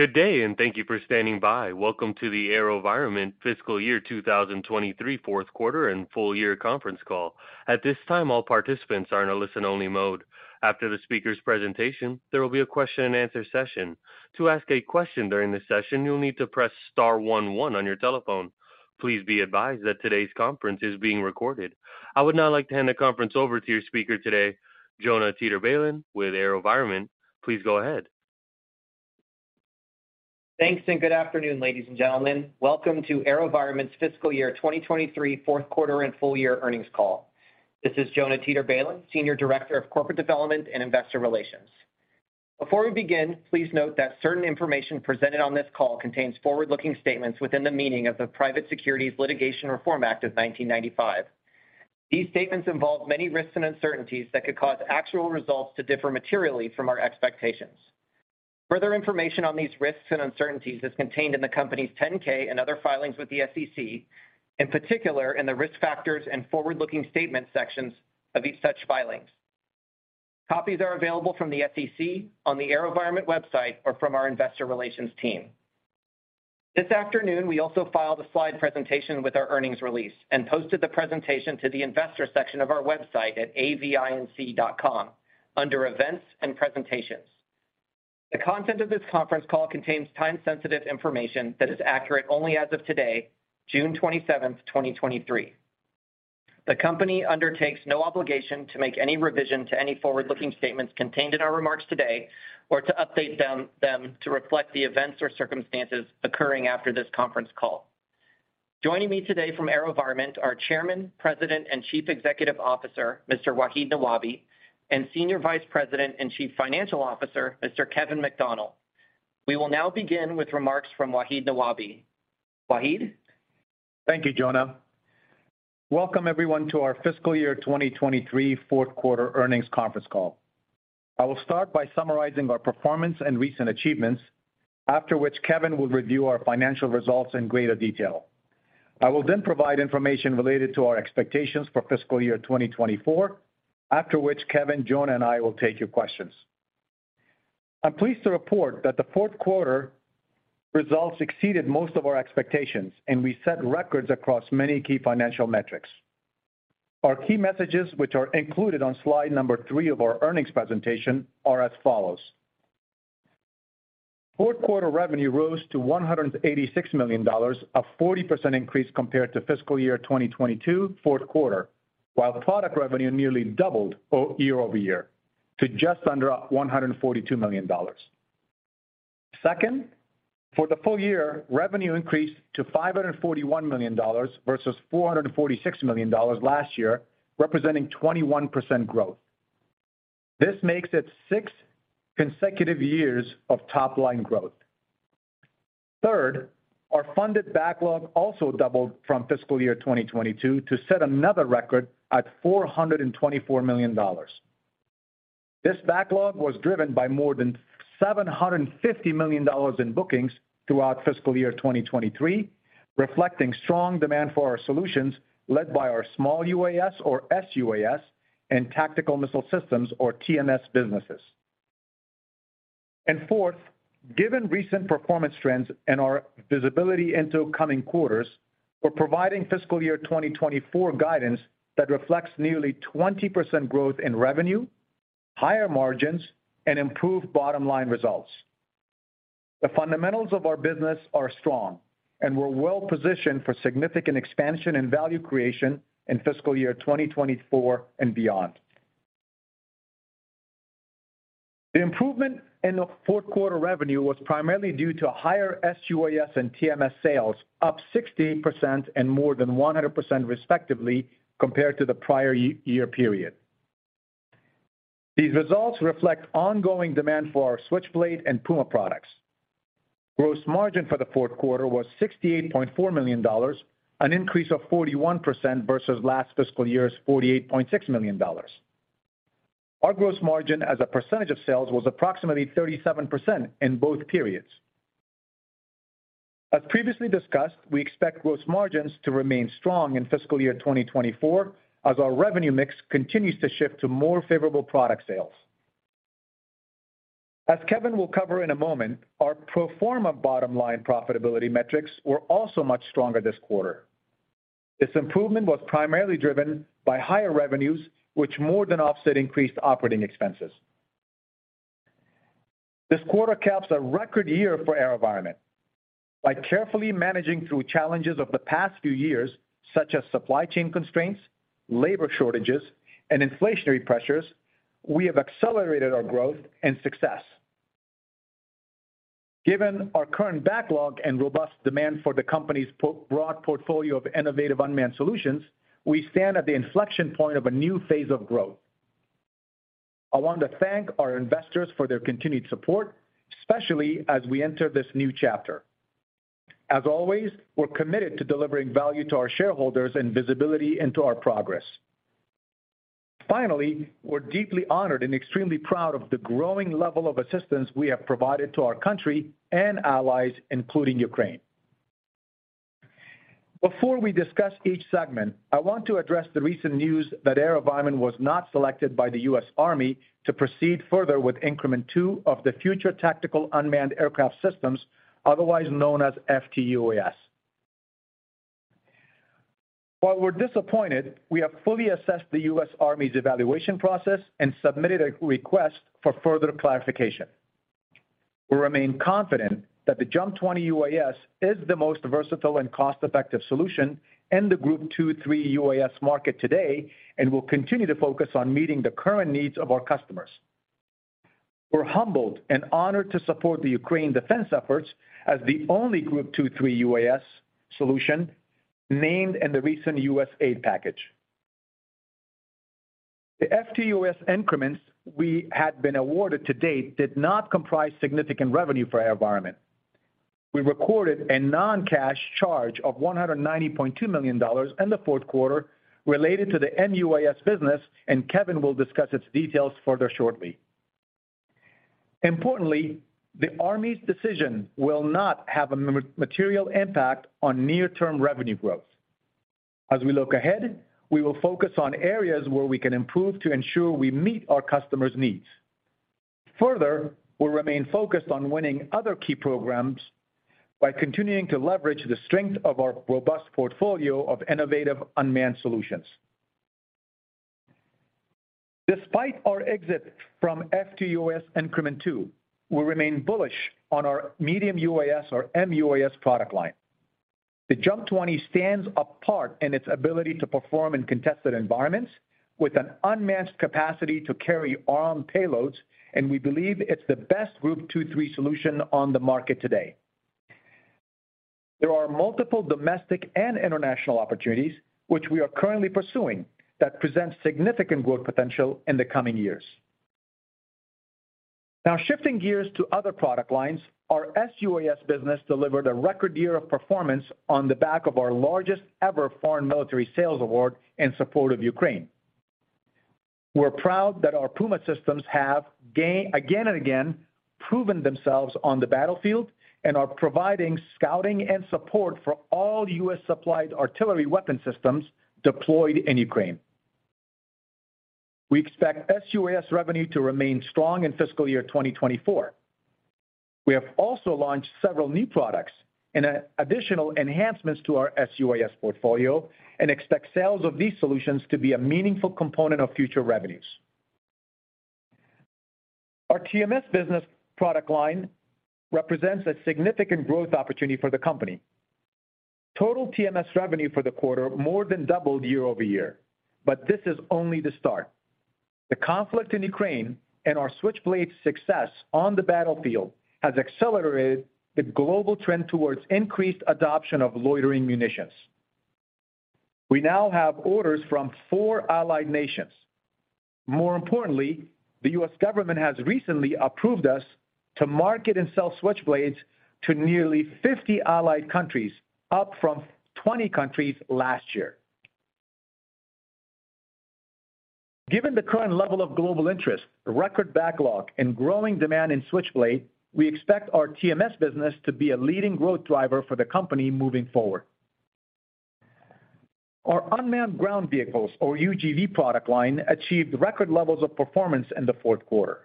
Good day, thank you for standing by. Welcome to the AeroVironment fiscal year 2023, fourth quarter and full year conference call. At this time, all participants are in a listen-only mode. After the speaker's presentation, there will be a question-and-answer session. To ask a question during this session, you'll need to press star one one on your telephone. Please be advised that today's conference is being recorded. I would now like to hand the conference over to your speaker today, Jonah Teeter-Balin, with AeroVironment. Please go ahead. Thanks, good afternoon, ladies and gentlemen. Welcome to AeroVironment's fiscal year 2023, fourth quarter and full year earnings call. This is Jonah Teeter-Balin, Senior Director of Corporate Development and Investor Relations. Before we begin, please note that certain information presented on this call contains forward-looking statements within the meaning of the Private Securities Litigation Reform Act of 1995. These statements involve many risks and uncertainties that could cause actual results to differ materially from our expectations. Further information on these risks and uncertainties is contained in the company's 10-K and other filings with the SEC, in particular, in the risk factors and forward-looking statement sections of each such filings. Copies are available from the SEC on the AeroVironment website or from our investor relations team. This afternoon, we also filed a slide presentation with our earnings release and posted the presentation to the investor section of our website at avinc.com under Events and Presentations. The content of this conference call contains time-sensitive information that is accurate only as of today, June 27, 2023. The company undertakes no obligation to make any revision to any forward-looking statements contained in our remarks today or to update them to reflect the events or circumstances occurring after this conference call. Joining me today from AeroVironment are Chairman, President, and Chief Executive Officer, Mr. Wahid Nawabi, and Senior Vice President and Chief Financial Officer, Mr. Kevin McDonnell. We will now begin with remarks from Wahid Nawabi. Wahid? Thank you, Jonah. Welcome, everyone, to our fiscal year 2023, fourth quarter earnings conference call. I will start by summarizing our performance and recent achievements, after which Kevin will review our financial results in greater detail. I will then provide information related to our expectations for fiscal year 2024, after which Kevin, Jonah, and I will take your questions. I'm pleased to report that the fourth quarter results exceeded most of our expectations, and we set records across many key financial metrics. Our key messages, which are included on slide number three of our earnings presentation, are as follows: fourth quarter revenue rose to $186 million, a 40% increase compared to fiscal year 2022, fourth quarter, while product revenue nearly doubled year over year to just under $142 million. Second, for the full year, revenue increased to $541 million versus $446 million last year, representing 21% growth. This makes it six consecutive years of top-line growth. Third, our funded backlog also doubled from fiscal year 2022 to set another record at $424 million. This backlog was driven by more than $750 million in bookings throughout fiscal year 2023, reflecting strong demand for our solutions, led by our small UAS or sUAS, and Tactical Missile Systems or TMS businesses. Fourth, given recent performance trends and our visibility into coming quarters, we're providing fiscal year 2024 guidance that reflects nearly 20% growth in revenue, higher margins, and improved bottom-line results. The fundamentals of our business are strong, and we're well-positioned for significant expansion and value creation in fiscal year 2024 and beyond. The improvement in the fourth quarter revenue was primarily due to higher sUAS and TMS sales, up 16% and more than 100% respectively, compared to the prior year period. These results reflect ongoing demand for our Switchblade and Puma products. Gross margin for the fourth quarter was $68.4 million, an increase of 41% versus last fiscal year's $48.6 million. Our gross margin as a percentage of sales was approximately 37% in both periods. As previously discussed, we expect gross margins to remain strong in fiscal year 2024 as our revenue mix continues to shift to more favorable product sales. As Kevin will cover in a moment, our pro forma bottom line profitability metrics were also much stronger this quarter. This improvement was primarily driven by higher revenues, which more than offset increased operating expenses. This quarter caps a record year for AeroVironment. By carefully managing through challenges of the past few years, such as supply chain constraints, labor shortages, and inflationary pressures, we have accelerated our growth and success. Given our current backlog and robust demand for the company's broad portfolio of innovative unmanned solutions, we stand at the inflection point of a new phase of growth. I want to thank our investors for their continued support, especially as we enter this new chapter. As always, we're committed to delivering value to our shareholders and visibility into our progress. Finally, we're deeply honored and extremely proud of the growing level of assistance we have provided to our country and allies, including Ukraine. Before we discuss each segment, I want to address the recent news that AeroVironment was not selected by the US Army to proceed further with Increment 2 of the Future Tactical Unmanned Aircraft System, otherwise known as FTUAS. While we're disappointed, we have fully assessed the US Army's evaluation process and submitted a request for further clarification. We remain confident that the JUMP 20 UAS is the most versatile and cost-effective solution in the Group 2-3 UAS market today, and will continue to focus on meeting the current needs of our customers. We're humbled and honored to support the Ukraine defense efforts as the only Group 2-3 UAS solution named in the recent U.S. aid package. The FTUAS increments we had been awarded to date did not comprise significant revenue for AeroVironment. We recorded a non-cash charge of $190.2 million in the fourth quarter related to the mUAS business, and Kevin will discuss its details further shortly. Importantly, the Army's decision will not have a material impact on near-term revenue growth. As we look ahead, we will focus on areas where we can improve to ensure we meet our customers' needs. Further, we'll remain focused on winning other key programs by continuing to leverage the strength of our robust portfolio of innovative unmanned solutions. Despite our exit from FTUAS Increment Two, we remain bullish on our medium UAS or mUAS product line. The JUMP 20 stands apart in its ability to perform in contested environments with an unmatched capacity to carry armed payloads. We believe it's the best Group 2/3 solution on the market today. There are multiple domestic and international opportunities, which we are currently pursuing, that present significant growth potential in the coming years. Shifting gears to other product lines, our sUAS business delivered a record year of performance on the back of our largest-ever foreign military sales award in support of Ukraine. We're proud that our Puma systems have again and again, proven themselves on the battlefield and are providing scouting and support for all U.S.-supplied artillery weapon systems deployed in Ukraine. We expect sUAS revenue to remain strong in fiscal year 2024. We have also launched several new products and additional enhancements to our sUAS portfolio and expect sales of these solutions to be a meaningful component of future revenues. Our TMS business product line represents a significant growth opportunity for the company. Total TMS revenue for the quarter more than doubled year-over-year, this is only the start. The conflict in Ukraine and our Switchblade success on the battlefield has accelerated the global trend towards increased adoption of loitering munitions. We now have orders from four allied nations. More importantly, the U.S. government has recently approved us to market and sell Switchblades to nearly 50 allied countries, up from 20 countries last year. Given the current level of global interest, record backlog, and growing demand in Switchblade, we expect our TMS business to be a leading growth driver for the company moving forward. Our unmanned ground vehicles, or UGV product line, achieved record levels of performance in the fourth quarter.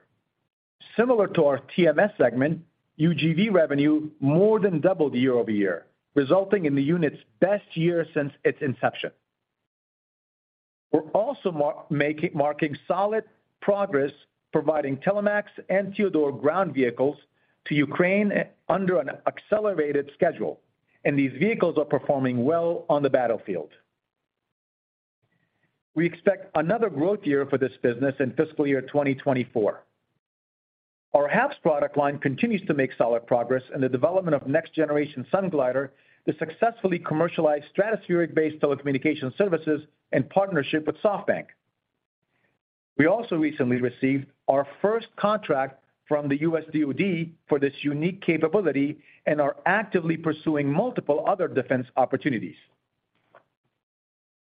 Similar to our TMS segment, UGV revenue more than doubled year-over-year, resulting in the unit's best year since its inception. We're also marking solid progress, providing Telemax and tEODor ground vehicles to Ukraine under an accelerated schedule, and these vehicles are performing well on the battlefield. We expect another growth year for this business in fiscal year 2024. Our HAPS product line continues to make solid progress in the development of next-generation Sunglider, the successfully commercialized stratospheric-based telecommunication services in partnership with SoftBank. We also recently received our first contract from the US DoD for this unique capability and are actively pursuing multiple other defense opportunities.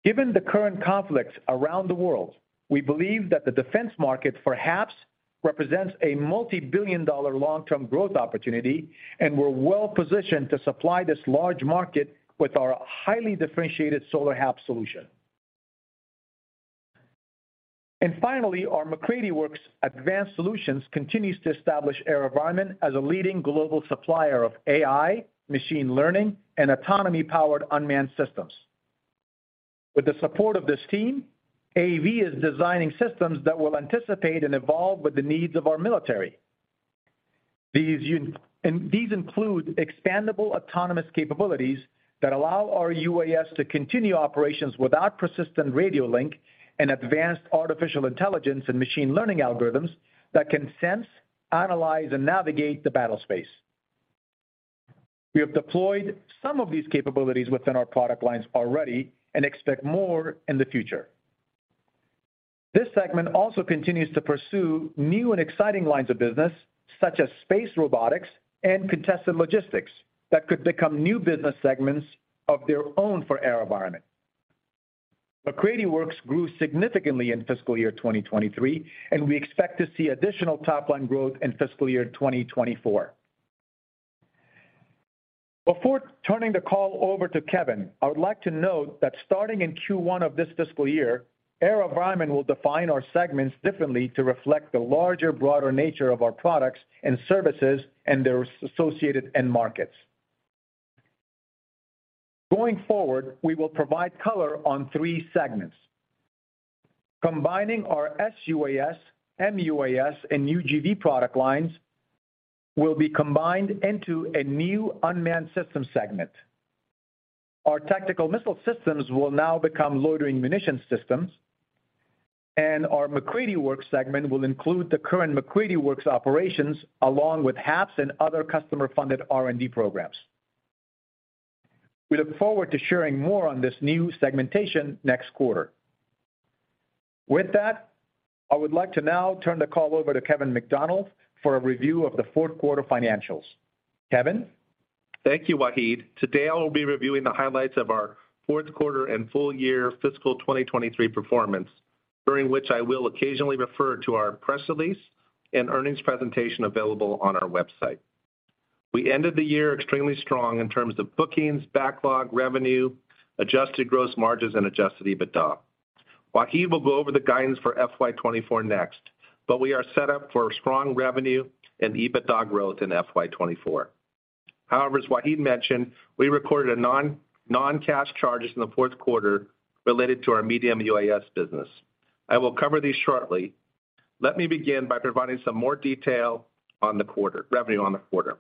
Given the current conflicts around the world, we believe that the defense market for HAPS represents a multibillion-dollar long-term growth opportunity, we're well positioned to supply this large market with our highly differentiated solar HAPS solution. Finally, our MacCready Works Advanced Solutions continues to establish AeroVironment as a leading global supplier of AI, machine learning, and autonomy-powered unmanned systems. With the support of this team, AV is designing systems that will anticipate and evolve with the needs of our military. These include expandable autonomous capabilities that allow our UAS to continue operations without persistent radio link and advanced artificial intelligence and machine learning algorithms that can sense, analyze, and navigate the battlespace. We have deployed some of these capabilities within our product lines already and expect more in the future. This segment also continues to pursue new and exciting lines of business, such as space robotics and contested logistics, that could become new business segments of their own for AeroVironment. MacCready Works grew significantly in fiscal year 2023, and we expect to see additional top-line growth in fiscal year 2024. Before turning the call over to Kevin, I would like to note that starting in Q1 of this fiscal year, AeroVironment will define our segments differently to reflect the larger, broader nature of our products and services and their associated end markets. Going forward, we will provide color on three segments. Combining our sUAS, mUAS, and UGV product lines will be combined into a new unmanned system segment. Our tactical missile systems will now become loitering munition systems, and our MacCready Works segment will include the current MacCready Works operations, along with HAPS and other customer-funded R&D programs. We look forward to sharing more on this new segmentation next quarter. With that, I would like to now turn the call over to Kevin McDonnell for a review of the fourth quarter financials. Kevin? Thank you, Wahid. Today, I will be reviewing the highlights of our fourth quarter and full year fiscal 2023 performance, during which I will occasionally refer to our press release and earnings presentation available on our website. We ended the year extremely strong in terms of bookings, backlog, revenue, adjusted gross margins, and adjusted EBITDA. Wahid will go over the guidance for FY 2024 next, but we are set up for strong revenue and EBITDA growth in FY 2024. However, as Wahid mentioned, we recorded a non-cash charges in the fourth quarter related to our medium UAS business. I will cover these shortly. Let me begin by providing some more detail on the revenue on the quarter.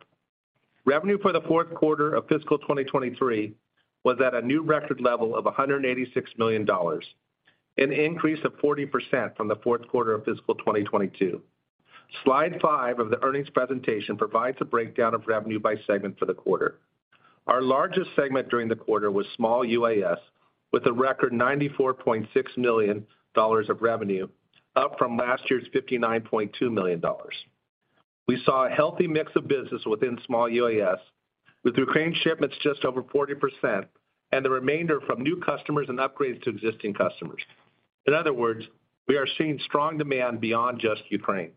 Revenue for the fourth quarter of fiscal 2023 was at a new record level of $186 million, an increase of 40% from the fourth quarter of fiscal 2022. Slide five of the earnings presentation provides a breakdown of revenue by segment for the quarter. Our largest segment during the quarter was small UAS, with a record $94.6 million of revenue, up from last year's $59.2 million. We saw a healthy mix of business within small UAS, with Ukraine shipments just over 40% and the remainder from new customers and upgrades to existing customers. In other words, we are seeing strong demand beyond just Ukraine.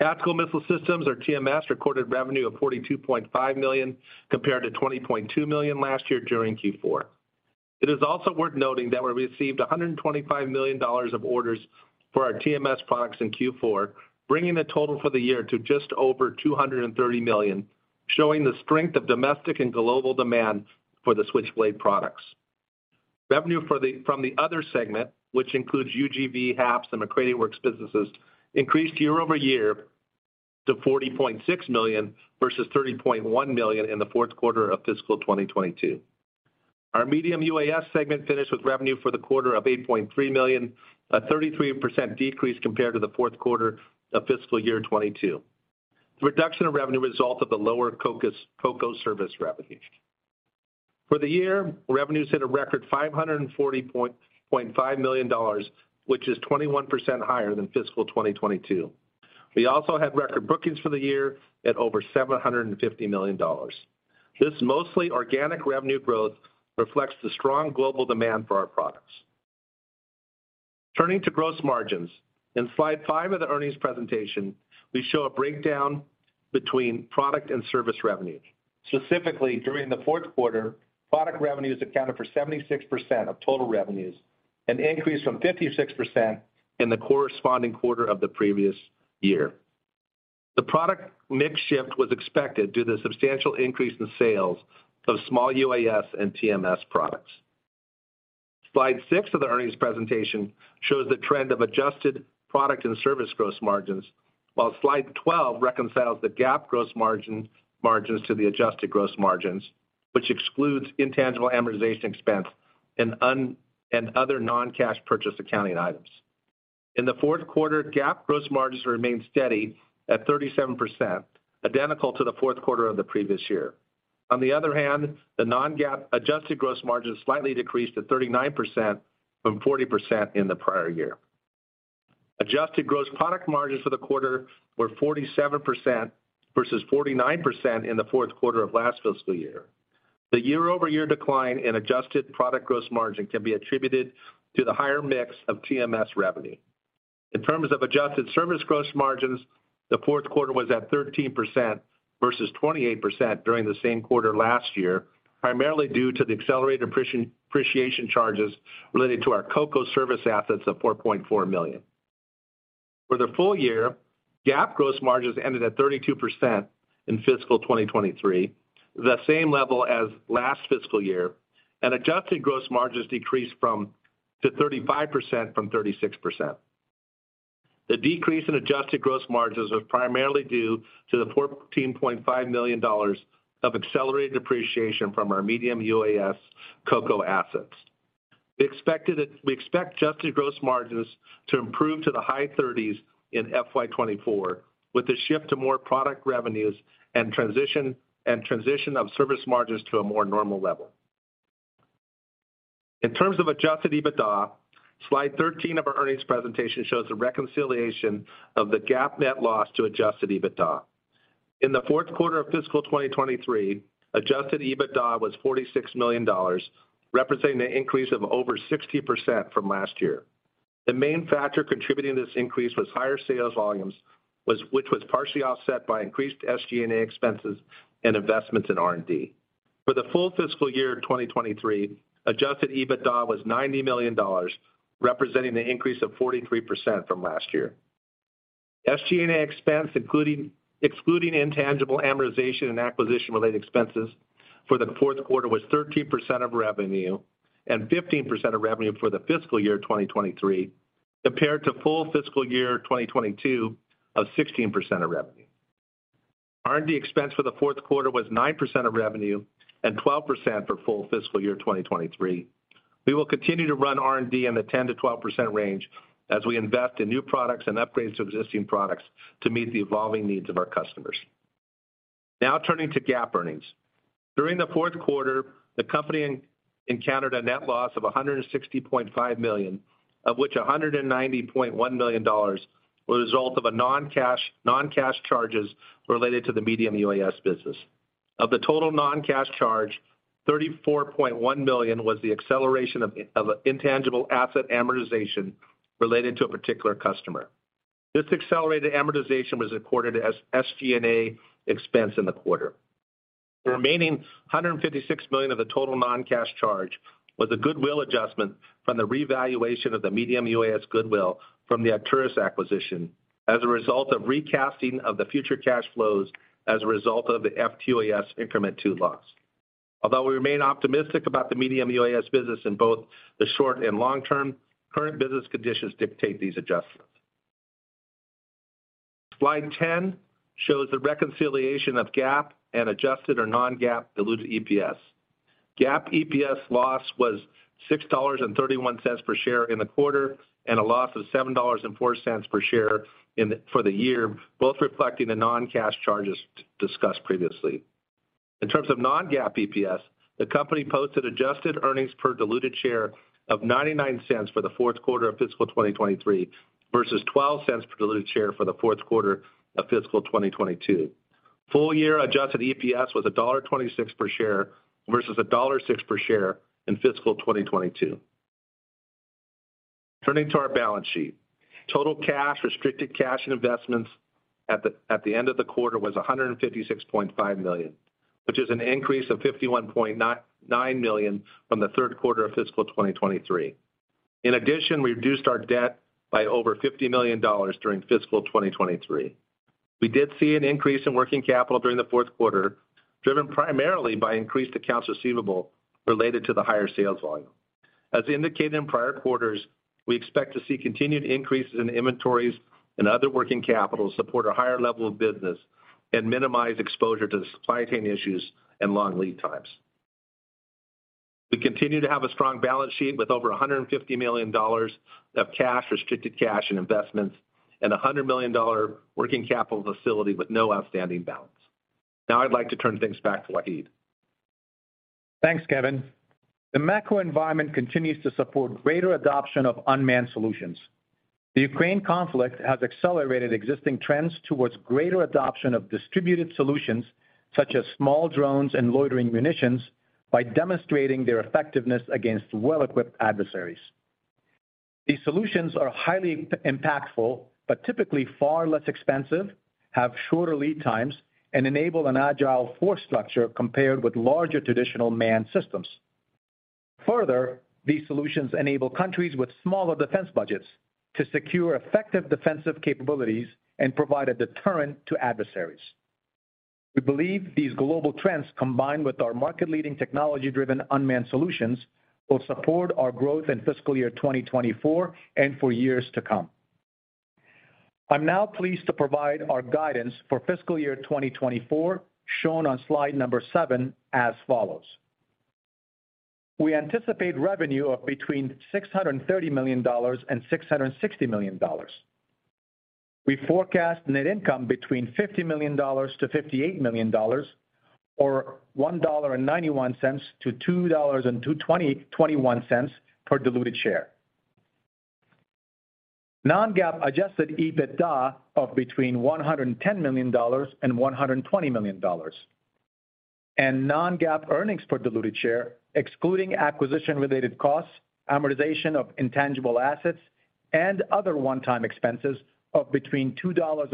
Tactical Missile Systems, or TMS, recorded revenue of $42.5 million, compared to $20.2 million last year during Q4. It is also worth noting that we received $125 million of orders for our TMS products in Q4, bringing the total for the year to just over $230 million, showing the strength of domestic and global demand for the Switchblade products. Revenue from the other segment, which includes UGV, HAPS, and MacCready Works businesses, increased year-over-year to $40.6 million versus $30.1 million in the fourth quarter of fiscal 2022. Our medium UAS segment finished with revenue for the quarter of $8.3 million, a 33% decrease compared to the fourth quarter of fiscal year 2022. The reduction in revenue results of the lower COCO service revenue. For the year, revenues hit a record $540.5 million, which is 21% higher than fiscal 2022. We also had record bookings for the year at over $750 million. This mostly organic revenue growth reflects the strong global demand for our products. Turning to gross margins, in slide five of the earnings presentation, we show a breakdown between product and service revenues. Specifically, during the fourth quarter, product revenues accounted for 76% of total revenues, an increase from 56% in the corresponding quarter of the previous year. The product mix shift was expected due to the substantial increase in sales of small UAS and TMS products. Slide six of the earnings presentation shows the trend of adjusted product and service gross margins, while slide 12 reconciles the GAAP gross margins to the adjusted gross margins, which excludes intangible amortization expense and other non-cash purchase accounting items. In the fourth quarter, GAAP gross margins remained steady at 37%, identical to the fourth quarter of the previous year. On the other hand, the non-GAAP adjusted gross margin slightly decreased to 39% from 40% in the prior year. Adjusted gross product margins for the quarter were 47% versus 49% in the fourth quarter of last fiscal year. The year-over-year decline in adjusted product gross margin can be attributed to the higher mix of TMS revenue. In terms of adjusted service gross margins, the fourth quarter was at 13% versus 28% during the same quarter last year, primarily due to the accelerated appreciation charges related to our COCO service assets of $4.4 million. For the full year, GAAP gross margins ended at 32% in fiscal 2023, the same level as last fiscal year, and adjusted gross margins decreased to 35% from 36%. The decrease in adjusted gross margins was primarily due to the $14.5 million of accelerated depreciation from our medium UAS COCO assets. We expect adjusted gross margins to improve to the high thirties in FY 2024, with the shift to more product revenues and transition of service margins to a more normal level. In terms of adjusted EBITDA, slide 13 of our earnings presentation shows a reconciliation of the GAAP net loss to adjusted EBITDA. In the fourth quarter of fiscal 2023, adjusted EBITDA was $46 million, representing an increase of over 60% from last year. The main factor contributing to this increase was higher sales volumes, which was partially offset by increased SG&A expenses and investments in R&D. For the full fiscal year of 2023, adjusted EBITDA was $90 million, representing an increase of 43% from last year. SG&A expense, excluding intangible amortization and acquisition-related expenses for the fourth quarter, was 13% of revenue and 15% of revenue for the fiscal year 2023, compared to full fiscal year 2022 of 16% of revenue. R&D expense for the fourth quarter was 9% of revenue and 12% for full fiscal year 2023. We will continue to run R&D in the 10%-12% range as we invest in new products and upgrades to existing products to meet the evolving needs of our customers. Turning to GAAP earnings. During the fourth quarter, the company encountered a net loss of $160.5 million, of which $190.1 million was a result of a non-cash charges related to the medium UAS business. Of the total non-cash charge, $34.1 million was the acceleration of intangible asset amortization related to a particular customer. This accelerated amortization was recorded as SG&A expense in the quarter. The remaining $156 million of the total non-cash charge was a goodwill adjustment from the revaluation of the medium UAS goodwill from the Arcturus acquisition as a result of recasting of the future cash flows as a result of the FTUAS Increment 2 loss. Although we remain optimistic about the medium UAS business in both the short and long term, current business conditions dictate these adjustments. Slide 10 shows the reconciliation of GAAP and adjusted or non-GAAP diluted EPS. GAAP EPS loss was $6.31 per share in the quarter, and a loss of $7.04 per share for the year, both reflecting the non-cash charges discussed previously. In terms of non-GAAP EPS, the company posted adjusted earnings per diluted share of $0.99 for the fourth quarter of fiscal 2023 versus $0.12 per diluted share for the fourth quarter of fiscal 2022. Full-year adjusted EPS was $1.26 per share versus $1.06 per share in fiscal 2022. Turning to our balance sheet. Total cash, restricted cash, and investments at the end of the quarter was $156.5 million, which is an increase of $51.9 million from the third quarter of fiscal 2023. In addition, we reduced our debt by over $50 million during fiscal 2023. We did see an increase in working capital during the fourth quarter, driven primarily by increased accounts receivable related to the higher sales volume. As indicated in prior quarters, we expect to see continued increases in inventories and other working capital support a higher level of business and minimize exposure to the supply chain issues and long lead times. We continue to have a strong balance sheet with over $150 million of cash, restricted cash, and investments, and a $100 million working capital facility with no outstanding balance. I'd like to turn things back to Wahid. Thanks, Kevin. The macro environment continues to support greater adoption of unmanned solutions. The Ukraine conflict has accelerated existing trends towards greater adoption of distributed solutions, such as small drones and loitering munitions, by demonstrating their effectiveness against well-equipped adversaries. These solutions are highly impactful, but typically far less expensive, have shorter lead times, and enable an agile force structure compared with larger, traditional manned systems. Further, these solutions enable countries with smaller defense budgets to secure effective defensive capabilities and provide a deterrent to adversaries. We believe these global trends, combined with our market-leading, technology-driven, unmanned solutions, will support our growth in fiscal year 2024 and for years to come. I'm now pleased to provide our guidance for fiscal year 2024, shown on slide number seven as follows: We anticipate revenue of between $630 million and $660 million. We forecast net income between $50 million-$58 million, or $1.91-$2.21 per diluted share. Non-GAAP adjusted EBITDA of between $110 million and $120 million, and non-GAAP earnings per diluted share, excluding acquisition-related costs, amortization of intangible assets, and other one-time expenses of between $2.30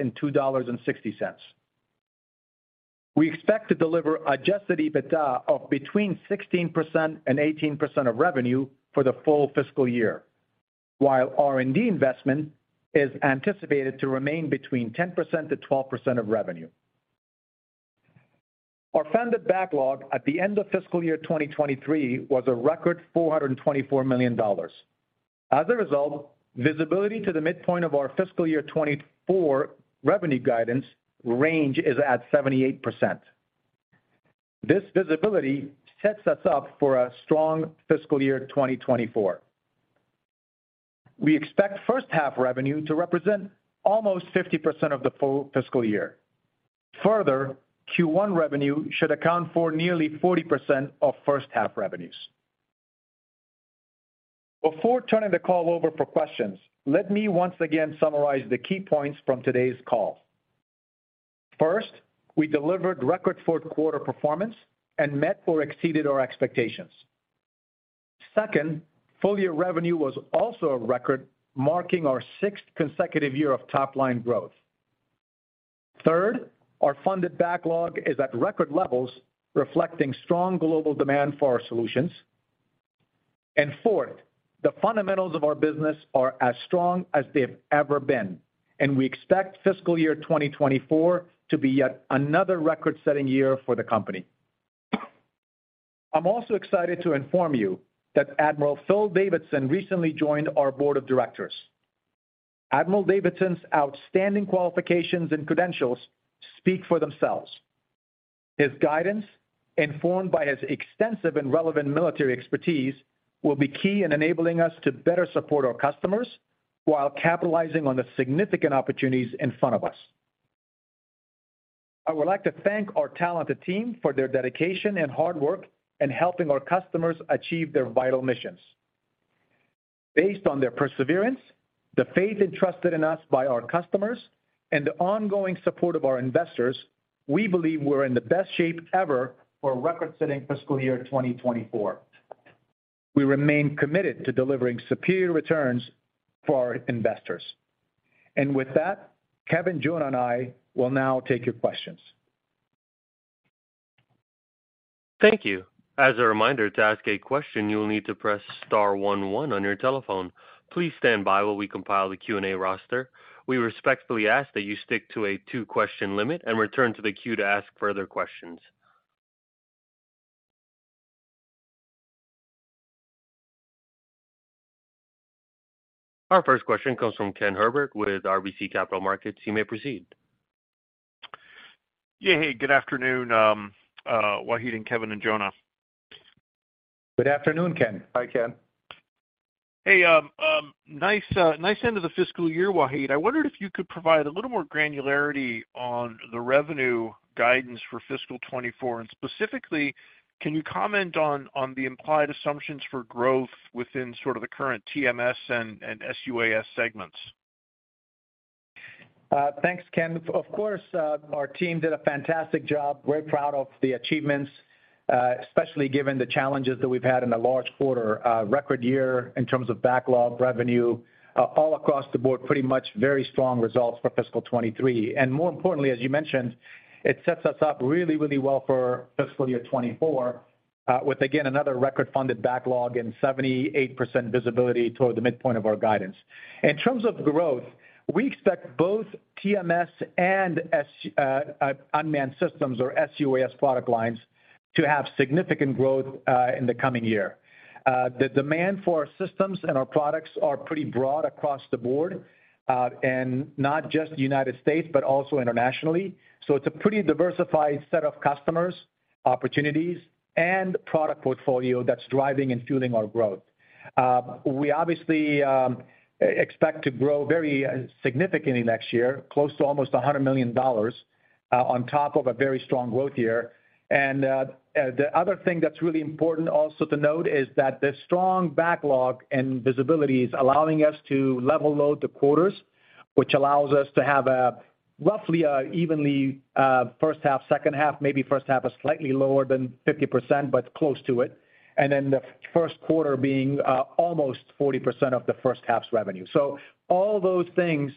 and $2.60. We expect to deliver adjusted EBITDA of between 16% and 18% of revenue for the full fiscal year, while R&D investment is anticipated to remain between 10%-12% of revenue. Our funded backlog at the end of fiscal year 2023 was a record $424 million. As a result, visibility to the midpoint of our fiscal year 2024 revenue guidance range is at 78%. This visibility sets us up for a strong fiscal year 2024. We expect first half revenue to represent almost 50% of the full fiscal year. Further, Q1 revenue should account for nearly 40% of first half revenues. Before turning the call over for questions, let me once again summarize the key points from today's call. First, we delivered record fourth quarter performance and met or exceeded our expectations. Second, full year revenue was also a record, marking our 6th consecutive year of top-line growth. Third, our funded backlog is at record levels, reflecting strong global demand for our solutions. Fourth, the fundamentals of our business are as strong as they've ever been, and we expect fiscal year 2024 to be yet another record-setting year for the company. I'm also excited to inform you that Admiral Phil Davidson recently joined our board of directors. Admiral Davidson's outstanding qualifications and credentials speak for themselves. His guidance, informed by his extensive and relevant military expertise, will be key in enabling us to better support our customers while capitalizing on the significant opportunities in front of us. I would like to thank our talented team for their dedication and hard work in helping our customers achieve their vital missions. Based on their perseverance, the faith entrusted in us by our customers, and the ongoing support of our investors, we believe we're in the best shape ever for a record-setting fiscal year 2024. We remain committed to delivering superior returns for our investors. With that, Kevin, Jonah, and I will now take your questions. Thank you. As a reminder, to ask a question, you will need to press star one on your telephone. Please stand by while we compile the Q&A roster. We respectfully ask that you stick to a two-question limit and return to the queue to ask further questions. Our first question comes from Ken Herbert with RBC Capital Markets. You may proceed. Hey, good afternoon, Wahid and Kevin and Jonah. Good afternoon, Ken. Hi, Ken. Nice end of the fiscal year, Wahid Nawabi. I wondered if you could provide a little more granularity on the revenue guidance for fiscal 2024. Specifically, can you comment on the implied assumptions for growth within sort of the current TMS and sUAS segments? Thanks, Ken. Of course, our team did a fantastic job. Very proud of the achievements, especially given the challenges that we've had in a large quarter, record year in terms of backlog revenue, all across the board, pretty much very strong results for fiscal 2023. More importantly, as you mentioned, it sets us up really, really well for fiscal year 2024, with, again, another record-funded backlog and 78% visibility toward the midpoint of our guidance. In terms of growth, we expect both TMS and unmanned systems or sUAS product lines to have significant growth in the coming year. The demand for our systems and our products are pretty broad across the board, and not just the United States, but also internationally. It's a pretty diversified set of customers, opportunities, and product portfolio that's driving and fueling our growth. We obviously expect to grow very significantly next year, close to almost $100 million, on top of a very strong growth year. The other thing that's really important also to note is that the strong backlog and visibility is allowing us to level load the quarters, which allows us to have a roughly evenly first half, second half, maybe first half, a slightly lower than 50%, but close to it, and then the first quarter being almost 40% of the first half's revenue. All those things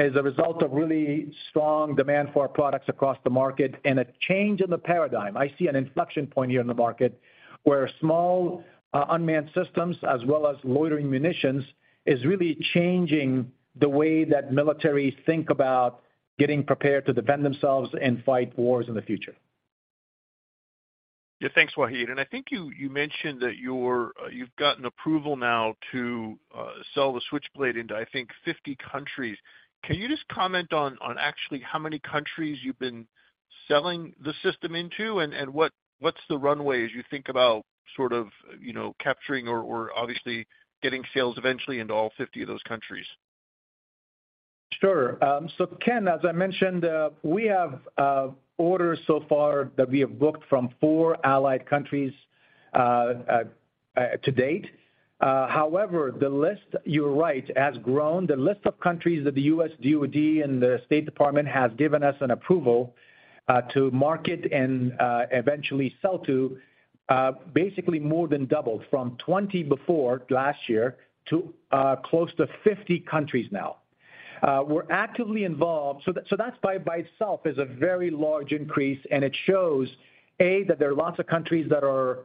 as a result of really strong demand for our products across the market and a change in the paradigm. I see an inflection point here in the market where small, unmanned systems as well as loitering munitions, is really changing the way that militaries think about getting prepared to defend themselves and fight wars in the future. Yeah, thanks, Wahid. I think you mentioned that you've gotten approval now to sell the Switchblade into, I think, 50 countries. Can you just comment on actually how many countries you've been selling the system into and what's the runway as you think about sort of, you know, capturing or obviously getting sales eventually into all 50 of those countries? Sure. Ken, as I mentioned, we have orders so far that we have booked from 4 allied countries to date. However, the list, you're right, has grown. The list of countries that the U.S. DoD and the State Department has given us an approval to market and eventually sell to basically more than doubled from 20 before last year to close to 50 countries now. We're actively involved. That, by itself, is a very large increase, and it shows, A, that there are lots of countries that are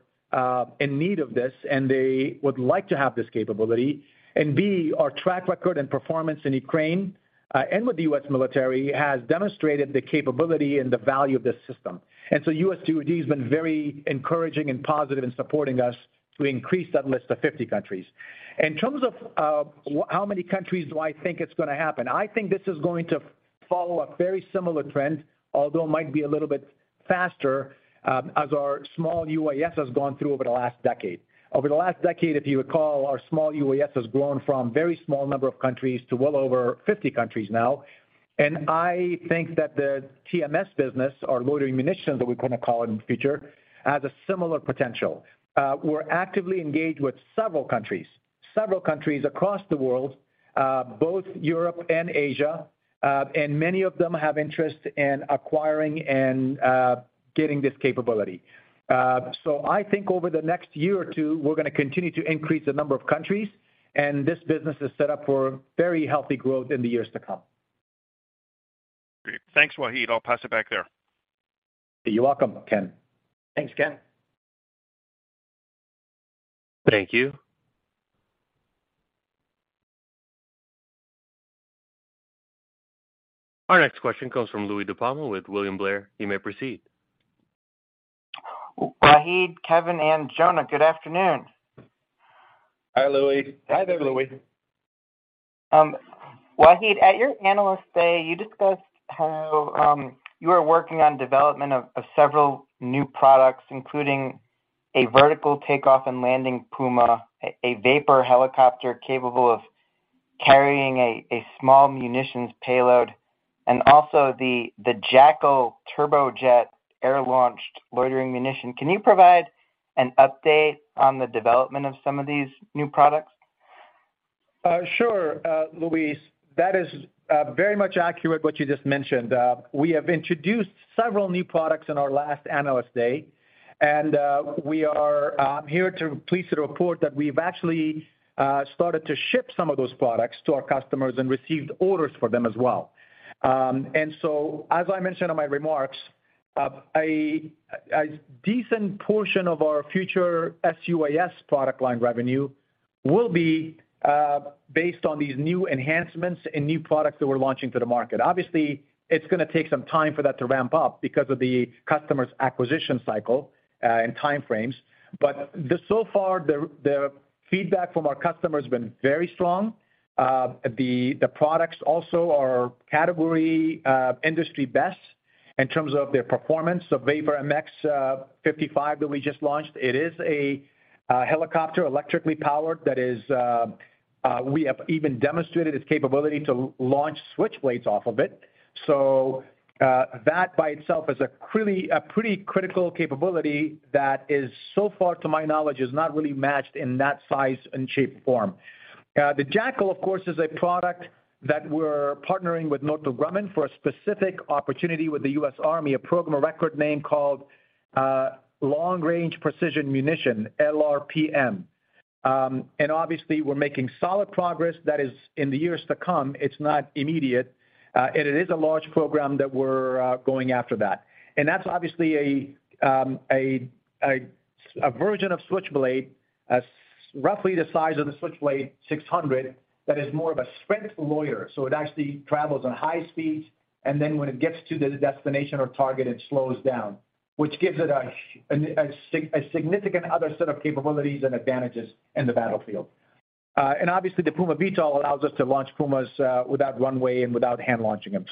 in need of this, and they would like to have this capability. B, our track record and performance in Ukraine and with the U.S. military has demonstrated the capability and the value of this system. US DoD has been very encouraging and positive in supporting us to increase that list to 50 countries. In terms of how many countries do I think it's going to happen? I think this is going to follow a very similar trend, although it might be a little bit faster, as our small UAS has gone through over the last decade. Over the last decade, if you recall, our small UAS has grown from a very small number of countries to well over 50 countries now. I think that the TMS business, or loitering munitions, that we're going to call it in the future, has a similar potential. We're actively engaged with several countries across the world, both Europe and Asia. Many of them have interest in acquiring and getting this capability. I think over the next year or two, we're going to continue to increase the number of countries, and this business is set up for very healthy growth in the years to come. Great. Thanks, Wahid. I'll pass it back there. You're welcome, Ken. Thanks, Ken. Thank you. Our next question comes from Louie DiPalma with William Blair. You may proceed. Wahid, Kevin, and Jonah, good afternoon. Hi, Louie. Hi there, Louie. Wahid, at your Analyst Day, you discussed how you were working on development of several new products, including a vertical takeoff and landing Puma, a VAPOR helicopter capable of carrying a small munitions payload, and also the Jackal turbojet air-launched loitering munition. Can you provide an update on the development of some of these new products? Sure, Louie. That is very much accurate what you just mentioned. We have introduced several new products in our last Analyst Day, and we are pleased to report that we've actually started to ship some of those products to our customers and received orders for them as well. As I mentioned in my remarks, a decent portion of our future sUAS product line revenue will be based on these new enhancements and new products that we're launching to the market. Obviously, it's gonna take some time for that to ramp up because of the customer's acquisition cycle and time frames. But so far, the feedback from our customers has been very strong. The products also are category industry best in terms of their performance. The VAPOR MX 55 that we just launched, it is a helicopter, electrically powered, that is, we have even demonstrated its capability to launch Switchblades off of it. That, by itself, is a really, a pretty critical capability that is so far, to my knowledge, is not really matched in that size and shape form. The Jackal, of course, is a product that we're partnering with Northrop Grumman for a specific opportunity with the US Army, a program, a record name called Long Range Precision Munition, LRPM. Obviously, we're making solid progress that is in the years to come. It's not immediate, and it is a large program that we're going after that. That's obviously a version of Switchblade, roughly the size of the Switchblade 600, that is more of a sprint-loiter. It actually travels on high speeds, and then when it gets to the destination or target, it slows down, which gives it a significant other set of capabilities and advantages in the battlefield. Obviously, the Puma VTOL allows us to launch Pumas without runway and without hand-launching them.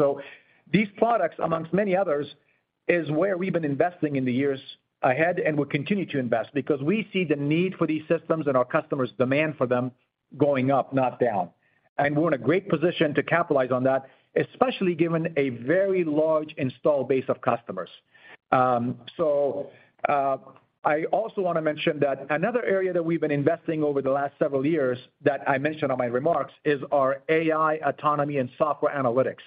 These products, amongst many others, is where we've been investing in the years ahead and will continue to invest, because we see the need for these systems and our customers' demand for them going up, not down. We're in a great position to capitalize on that, especially given a very large installed base of customers. I also want to mention that another area that we've been investing over the last several years that I mentioned on my remarks, is our AI, autonomy, and software analytics.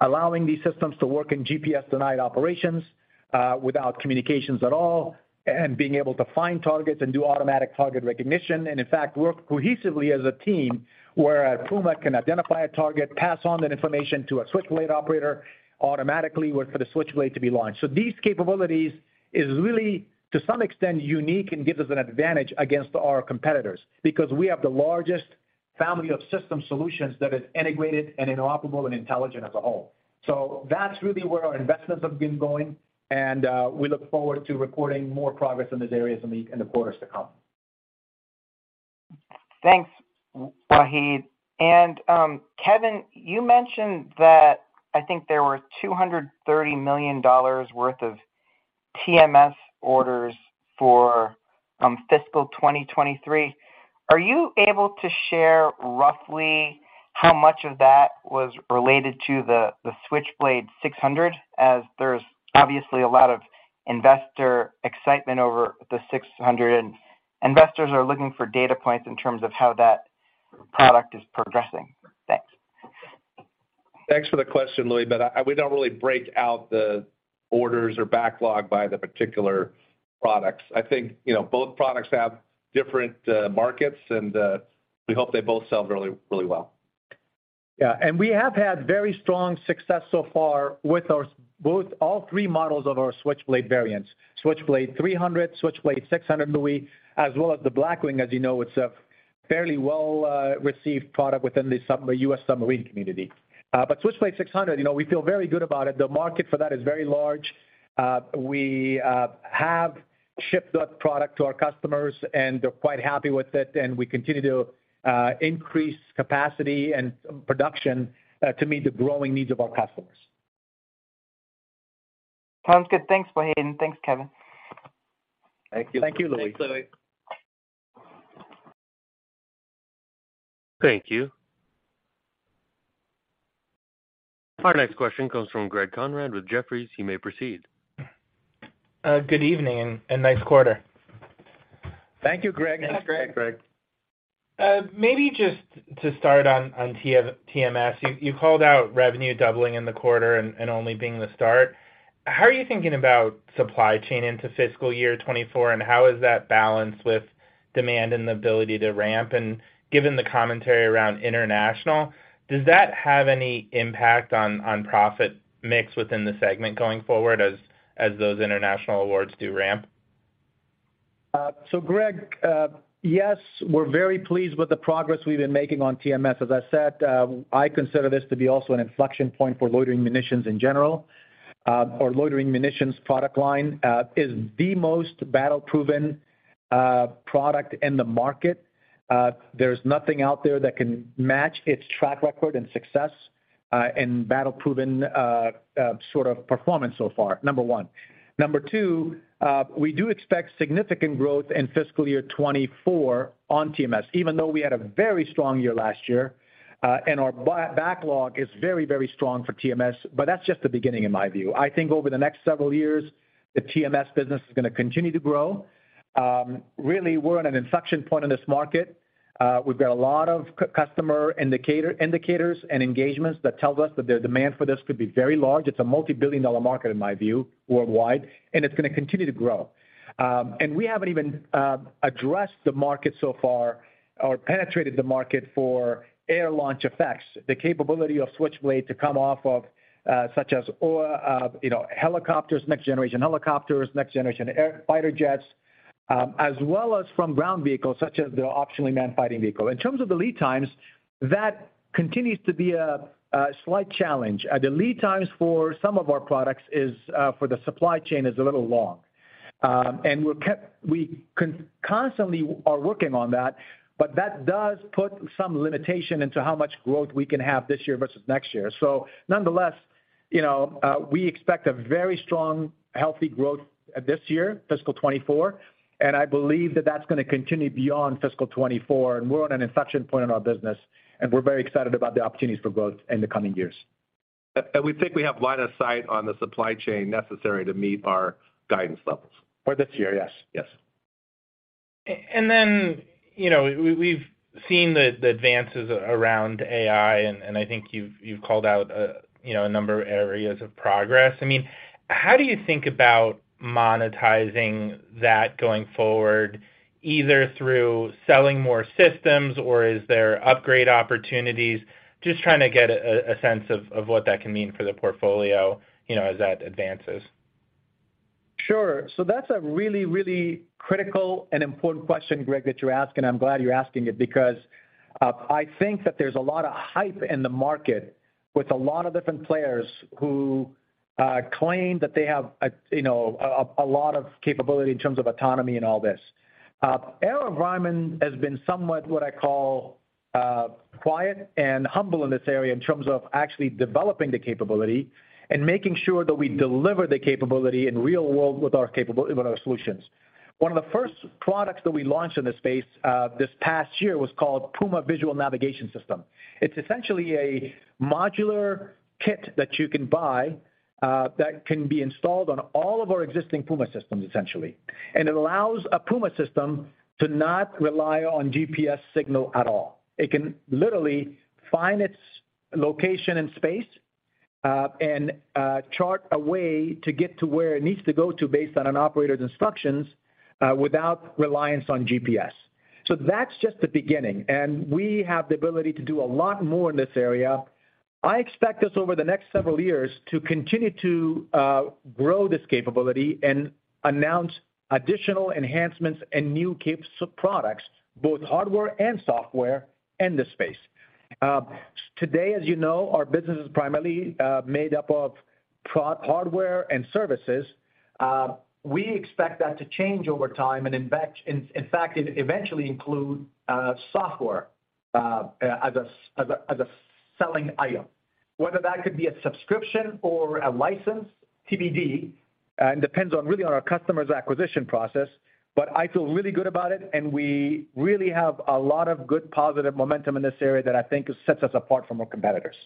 Allowing these systems to work in GPS-denied operations, without communications at all, and being able to find targets and do automatic target recognition, and in fact, work cohesively as a team, where a Puma can identify a target, pass on that information to a Switchblade operator, automatically work for the Switchblade to be launched. These capabilities is really, to some extent, unique and gives us an advantage against our competitors. We have the largest family of system solutions that is integrated and interoperable and intelligent as a whole. That's really where our investments have been going, and we look forward to reporting more progress in these areas in the, in the quarters to come. Thanks, Wahid Nawabi. Kevin McDonnell, you mentioned that I think there were $230 million worth of TMS orders for fiscal 2023. Are you able to share roughly how much of that was related to the Switchblade 600? As there's obviously a lot of investor excitement over the 600, and investors are looking for data points in terms of how that product is progressing. Thanks. Thanks for the question, Louie. We don't really break out the orders or backlog by the particular products. I think, you know, both products have different markets, and we hope they both sell really, really well. Yeah, we have had very strong success so far with our both, all three models of our Switchblade variants, Switchblade 300, Switchblade 600, Louie DiPalma, as well as the Blackwing. As you know, it's a fairly well received product within the U.S. submarine community. Switchblade 600, you know, we feel very good about it. The market for that is very large. We have shipped that product to our customers, and they're quite happy with it, and we continue to increase capacity and production to meet the growing needs of our customers. Sounds good. Thanks, Wahid, and thanks, Kevin McDonnell. Thank you. Thank you, Louie. Thanks, Louie. Thank you. Our next question comes from Greg Konrad with Jefferies. You may proceed. Good evening, and nice quarter. Thank you, Greg. Thanks, Greg. Thanks, Greg. Maybe just to start on TMS, you called out revenue doubling in the quarter and only being the start. How are you thinking about supply chain into fiscal year 2024, and how is that balanced with demand and the ability to ramp? Given the commentary around international, does that have any impact on profit mix within the segment going forward as those international awards do ramp? Greg, yes, we're very pleased with the progress we've been making on TMS. As I said, I consider this to be also an inflection point for loitering munitions in general. Our loitering munitions product line is the most battle-proven product in the market. There's nothing out there that can match its track record and success and battle-proven sort of performance so far, number one. Number two, we do expect significant growth in fiscal year 2024 on TMS, even though we had a very strong year last year, and our backlog is very, very strong for TMS. That's just the beginning, in my view. I think over the next several years, the TMS business is gonna continue to grow. Really, we're at an inflection point in this market. We've got a lot of customer indicators and engagements that tells us that the demand for this could be very large. It's a multi-billion dollar market, in my view, worldwide, it's gonna continue to grow. We haven't even addressed the market so far or penetrated the market for air launch effects. The capability of Switchblade to come off of, such as, or, you know, helicopters, next generation helicopters, next generation air fighter jets, as well as from ground vehicles such as the Optionally Manned Fighting Vehicle. In terms of the lead times, that continues to be a slight challenge. The lead times for some of our products is, for the supply chain, is a little long. constantly are working on that. That does put some limitation into how much growth we can have this year versus next year. Nonetheless, you know, we expect a very strong, healthy growth this year, fiscal 2024. I believe that that's gonna continue beyond fiscal 2024. We're on an inflection point in our business, and we're very excited about the opportunities for growth in the coming years. We think we have line of sight on the supply chain necessary to meet our guidance levels. For this year, yes. Yes. You know, we've seen the advances around AI, and I think you've called out, you know, a number of areas of progress. I mean, how do you think about monetizing that going forward, either through selling more systems, or is there upgrade opportunities? Just trying to get a sense of what that can mean for the portfolio, you know, as that advances. Sure. That's a really, really critical and important question, Greg Konrad, that you're asking. I'm glad you're asking it because I think that there's a lot of hype in the market with a lot of different players who claim that they have a, you know, a lot of capability in terms of autonomy and all this. AeroVironment has been somewhat what I call quiet and humble in this area in terms of actually developing the capability and making sure that we deliver the capability in real world with our capability, with our solutions. One of the first products that we launched in this space this past year, was called Puma Visual Navigation System. It's essentially a modular kit that you can buy that can be installed on all of our existing Puma systems, essentially. It allows a Puma system to not rely on GPS signal at all. It can literally find its location in space, and chart a way to get to where it needs to go to based on an operator's instructions, without reliance on GPS. That's just the beginning, and we have the ability to do a lot more in this area. I expect us over the next several years to continue to grow this capability and announce additional enhancements and new capes of products, both hardware and software, in this space. Today, as you know, our business is primarily made up of hardware and services. We expect that to change over time and in fact, eventually include software, as a selling item. Whether that could be a subscription or a license, TBD, and depends on really on our customer's acquisition process, but I feel really good about it, and we really have a lot of good, positive momentum in this area that I think sets us apart from our competitors.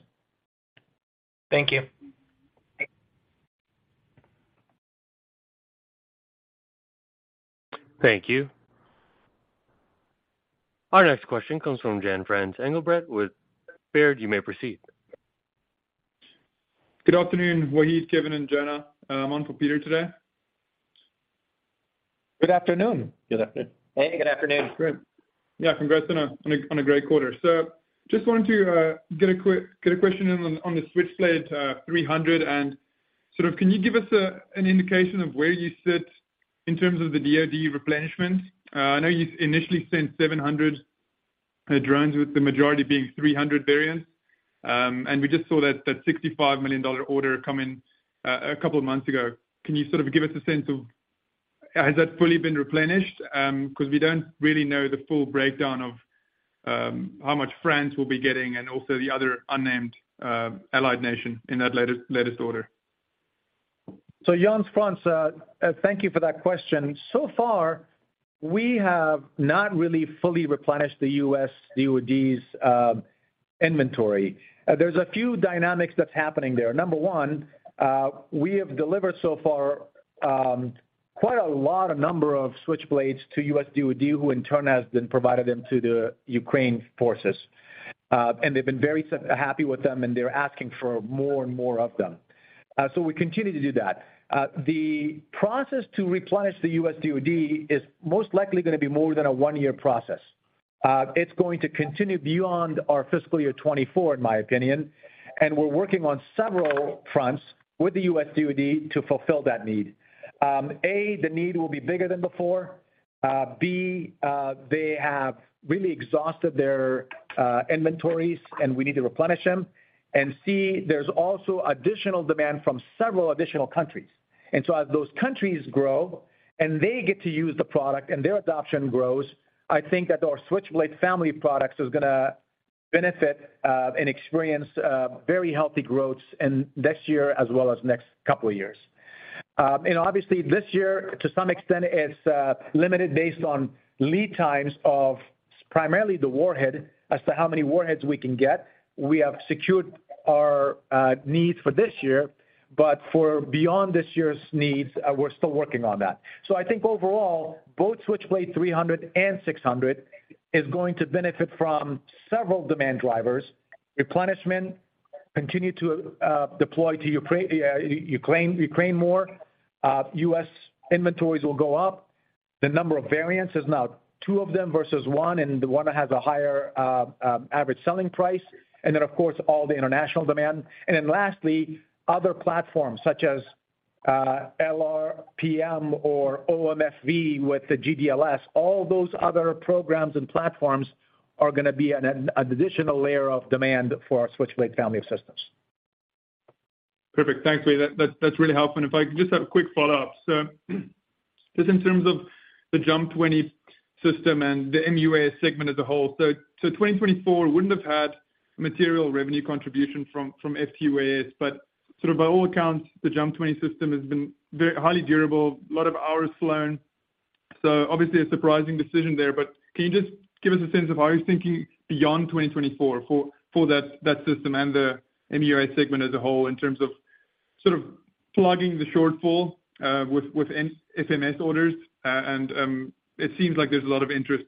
Thank you. Thank you. Our next question comes from Jan-Frans Engelbrecht with Baird. You may proceed. Good afternoon, Wahid, Kevin, and Jonah. I'm on for Peter today. Good afternoon. Good afternoon. Hey, good afternoon. Great. Congrats on a great quarter. Just wanted to get a question in on the Switchblade 300. Can you give us an indication of where you sit in terms of the DoD replenishment? I know you initially sent 700 drones, with the majority being 300 variants. We just saw that $65 million order come in a couple of months ago. Can you give us a sense of has that fully been replenished? We don't really know the full breakdown of how much France will be getting and also the other unnamed allied nation in that latest order. Jans-Frans, thank you for that question. So far, we have not really fully replenished the U.S. DoD's inventory. There's a few dynamics that's happening there. Number one, we have delivered so far, quite a lot of number of Switchblades to U.S. DoD, who in turn has then provided them to the Ukraine forces. They've been very happy with them, and they're asking for more and more of them. We continue to do that. The process to replenish the U.S. DoD is most likely gonna be more than a one-year process. It's going to continue beyond our fiscal year 2024, in my opinion, and we're working on several fronts with the U.S. DoD to fulfill that need. The need will be bigger than before. B, they have really exhausted their inventories, and we need to replenish them. C, there's also additional demand from several additional countries. As those countries grow, and they get to use the product, and their adoption grows, I think that our Switchblade family of products is gonna benefit and experience very healthy growth in next year as well as next couple of years. Obviously, this year, to some extent, it's limited based on lead times of primarily the warhead, as to how many warheads we can get. We have secured our needs for this year, but for beyond this year's needs, we're still working on that. I think overall, both Switchblade 300 and 600 is going to benefit from several demand drivers. Replenishment, continue to deploy to Ukraine more. U.S. inventories will go up. The number of variants is now two of them versus one, and the 1 that has a higher average selling price. Of course, all the international demand. Lastly, other platforms such as LRPM or OMFV with the GDLS, all those other programs and platforms are gonna be an additional layer of demand for our Switchblade family of systems. Perfect. Thanks, Wahid. That's really helpful. If I could just have a quick follow-up. just in terms of the JUMP 20 system and the mUAS segment as a whole. 2024 wouldn't have had material revenue contribution from FTUAS, but sort of by all accounts, the JUMP 20 system has been highly durable, a lot of hours flown. obviously a surprising decision there, but can you just give us a sense of how you're thinking beyond 2024 for that system and the mUAS segment as a whole, in terms of sort of plugging the shortfall with FMS orders? it seems like there's a lot of interest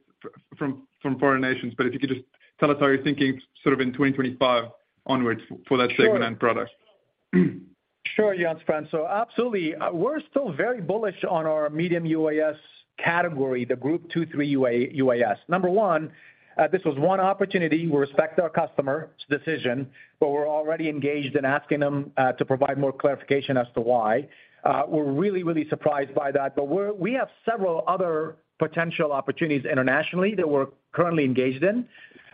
from foreign nations, but if you could just tell us how you're thinking sort of in 2025 onwards for that segment and product. Sure, Jan-Frans. Absolutely, we're still very bullish on our medium UAS category, the Group 2, 3 UAS. Number 1, this was one opportunity. We respect our customer's decision, but we're already engaged in asking them to provide more clarification as to why. We're really surprised by that, but we have several other potential opportunities internationally that we're currently engaged in.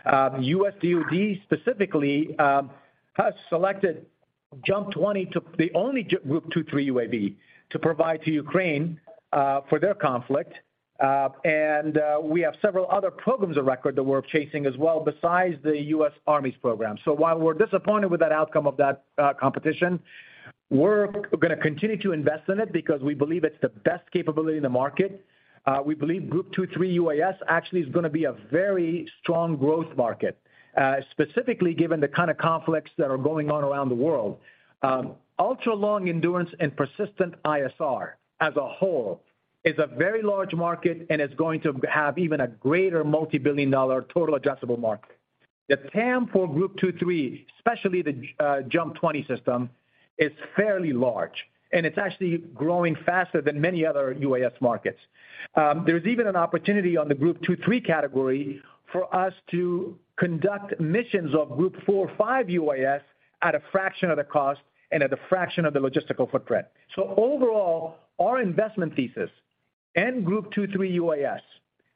US DoD specifically has selected JUMP 20 to... the only Group 2, 3 UAV, to provide to Ukraine for their conflict. We have several other programs of record that we're chasing as well, besides the US Army's program. While we're disappointed with that outcome of that competition, we're gonna continue to invest in it because we believe it's the best capability in the market. We believe Group 2, 3 UAS actually is gonna be a very strong growth market, specifically given the kind of conflicts that are going on around the world. Ultra-long endurance and persistent ISR, as a whole, is a very large market and is going to have even a greater multi-billion dollar total addressable market. The TAM for Group 2, 3, especially the JUMP 20 system, is fairly large, and it's actually growing faster than many other UAS markets. There's even an opportunity on the Group 2, 3 category for us to conduct missions of Group 4, 5 UAS at a fraction of the cost and at a fraction of the logistical footprint. Overall, our investment thesis in Group 2, 3 UAS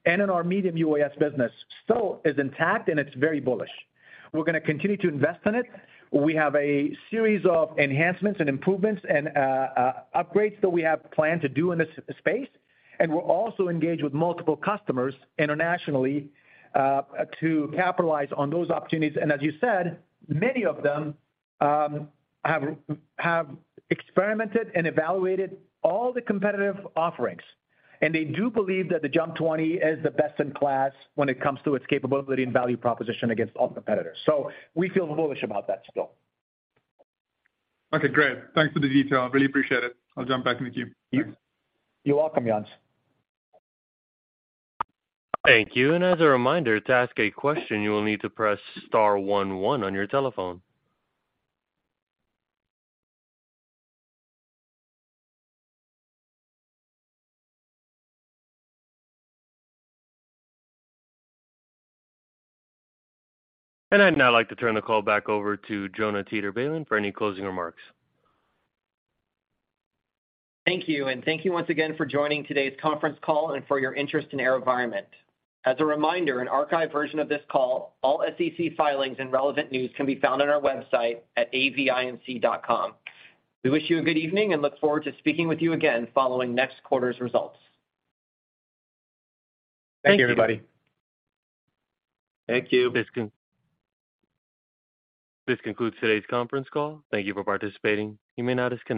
and in our medium UAS business, still is intact, and it's very bullish. We're gonna continue to invest in it. We have a series of enhancements and improvements and upgrades that we have planned to do in this space, and we're also engaged with multiple customers internationally to capitalize on those opportunities. As you said, many of them have experimented and evaluated all the competitive offerings. They do believe that the JUMP 20 is the best in class when it comes to its capability and value proposition against all competitors. We feel bullish about that still. Okay, great. Thanks for the detail. I really appreciate it. I'll jump back in the queue. You're welcome, Jans. Thank you. As a reminder, to ask a question, you will need to press star one one on your telephone. I'd now like to turn the call back over to Jonah Teeter-Balin for any closing remarks. Thank you. Thank you once again for joining today's conference call and for your interest in AeroVironment. As a reminder, an archived version of this call, all SEC filings and relevant news can be found on our website at avinc.com. We wish you a good evening and look forward to speaking with you again following next quarter's results. Thank you, everybody. Thank you. This concludes today's conference call. Thank you for participating. You may now disconnect.